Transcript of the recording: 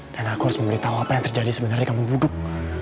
dan aku harus memberitahu apa yang terjadi sebenarnya kamu duduk